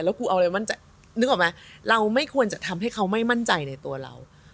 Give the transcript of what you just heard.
กูเอาอะไรมั่นใจนึกออกไหมเราไม่ควรจะทำให้เขาไม่มั่นใจในตัวเรา